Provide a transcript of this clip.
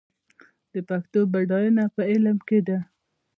د پښتو بډاینه په علم کې ده.